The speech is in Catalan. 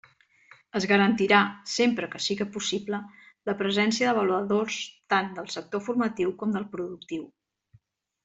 Es garantirà, sempre que siga possible, la presència d'avaluadors tant del sector formatiu com del productiu.